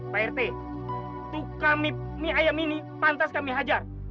pak rt tukang mi ayam ini pantas kami hajar